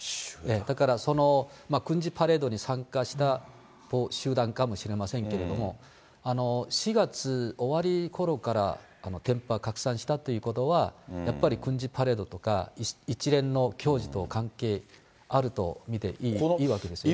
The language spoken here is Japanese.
だから軍事パレードに参加した集団かもしれませんけれども、４月終わりころから伝ぱ、拡散したということは、やっぱり軍事パレードとか、一連の行事と関係あると見ていいわけですね。